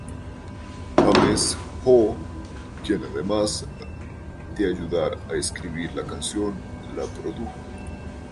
James Ho, quien además de ayudar a escribir la canción, la produjo.